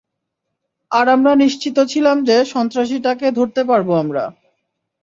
আর আমরা নিশ্চিত ছিলাম যে সন্ত্রাসীটাকে ধরতে পারব আমরা।